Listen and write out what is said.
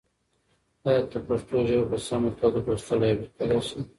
ایا ته پښتو ژبه په سمه توګه لوستلی او لیکلی شې؟